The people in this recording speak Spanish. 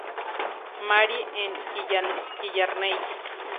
Mary en Killarney.